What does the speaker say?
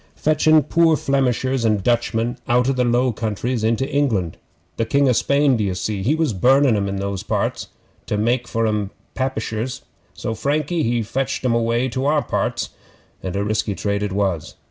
'Fetchin' poor Flemishers and Dutchmen out o' the Low Countries into England. The King o' Spain, d'ye see, he was burnin' 'em in those parts, for to make 'em Papishers, so Frankie he fetched 'em away to our parts, and a risky trade it was.